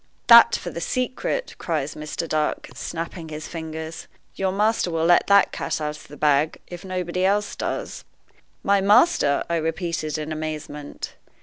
"That for the secret!" cries Mr. Dark, snapping his fingers. "Your master will let the cat out of the bag, if nobody else does." "My master!" I repeated, in amazement.